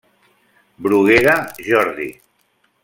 Bruguera, Jordi.